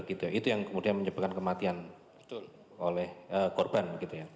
itu yang kemudian menyebabkan kematian oleh korban